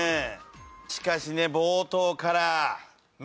しかしね冒頭から。